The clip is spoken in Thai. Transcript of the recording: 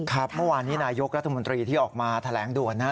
เมื่อวานนี้นายกรัฐมนตรีที่ออกมาแถลงด่วนนะ